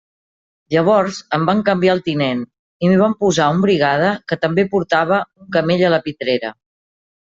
Llavors em van canviar el tinent i m'hi van posar un brigada que també portava un camell a la pitrera.